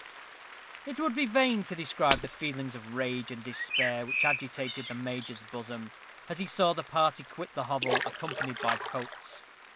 It would be vain to describe the feelings of rage and despair which agitated the major's bosom, as he saw the party quit the hovel, accompanied by Coates.